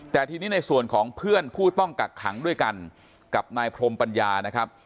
แต่ทีนี้ในส่วนของเพื่อนผู้ต้องกักขังด้วยกันกับนายพรมปัญญานะครับ